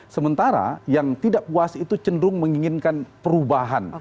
sementara yang tidak puas itu cenderung menginginkan perubahan